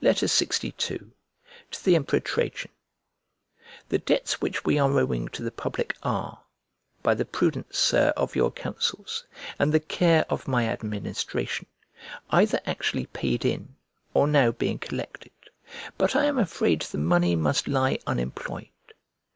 LXII To THE EMPEROR TRAJAN THE debts which we are owing to the public are, by the prudence, Sir, of your counsels, and the care of my administration, either actually paid in or now being collected: but I am afraid the money must lie unemployed.